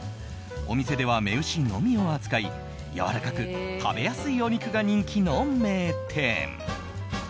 お店では雌牛のみを扱いやわらかく食べやすいお肉が人気の名店。